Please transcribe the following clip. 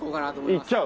いっちゃう。